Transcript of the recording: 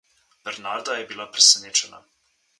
Bernarda je bila presenečena.